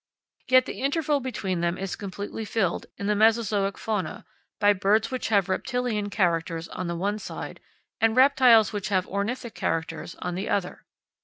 Yet the interval between them is completely filled, in the mesozoic fauna, by birds which have reptilian characters, on the one side, and reptiles which have ornithic characters, on the other.